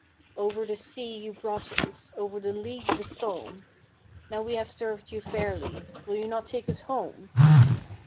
'Over the sea you brought us, Over the leagues of foam: Now we have served you fairly Will you not take us home?